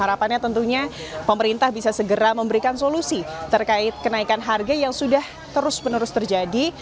harapannya tentunya pemerintah bisa segera memberikan solusi terkait kenaikan harga yang sudah terus menerus terjadi